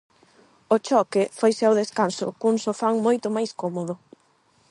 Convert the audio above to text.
O choque foise ao descanso cun Sofán moito máis cómodo.